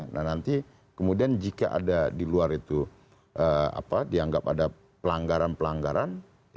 nah nanti kemudian jika ada di luar itu dianggap ada pelanggaran pelanggaran